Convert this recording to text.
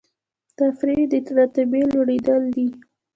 ترفیع د رتبې لوړیدل دي